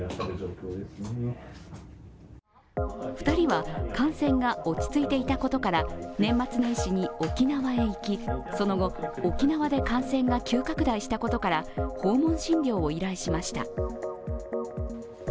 ２人は感染が落ち着いていたことから年末年始に沖縄へ行き、その後沖縄で感染が急拡大したことから訪問診療を依頼しました。